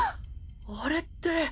あれって。